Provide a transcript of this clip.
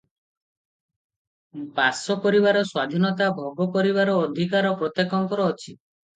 ବାସ କରିବାର ସ୍ୱାଧୀନତା ଭୋଗ କରିବାର ଅଧିକାର ପ୍ରତ୍ୟେକଙ୍କର ଅଛି ।